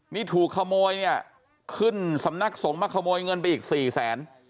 นี่ถูกขโมยเนี่ยครึ่งสำนักส่งมาขโมยเงินไปอีก๔แสน